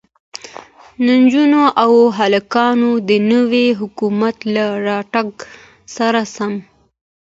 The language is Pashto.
نجونو او هلکانو د نوي حکومت له راتگ سره سم